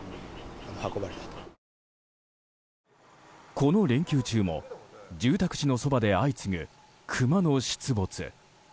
この連休中も住宅地のそばで相次ぐクマの出没。